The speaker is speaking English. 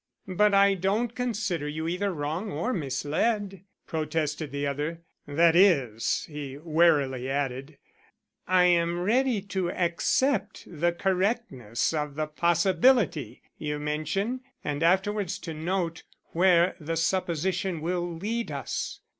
"But I don't consider you either wrong or misled," protested the other. "That is," he warily added, "I am ready to accept the correctness of the possibility you mention and afterwards to note where the supposition will lead us.